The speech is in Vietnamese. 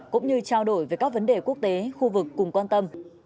cũng như trao đổi về các vấn đề quốc tế khu vực cùng quan tâm